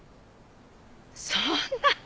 そんな！